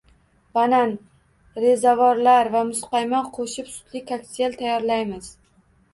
Banan, rezavorlar va muzqaymoq qo‘shib sutli kokteyl tayyorlaymiz